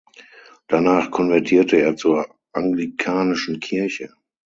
Danach konvertierte er zur anglikanischen Kirche.